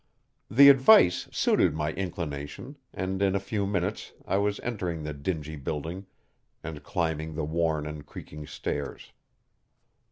The advice suited my inclination, and in a few minutes I was entering the dingy building and climbing the worn and creaking stairs.